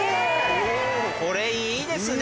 これいいですね。